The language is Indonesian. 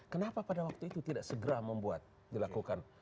kenapa pada waktu itu tidak segera membuat dilakukan